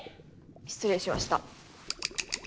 失礼しました。